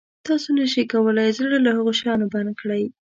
تاسو نه شئ کولای زړه له هغه شیانو بند کړئ.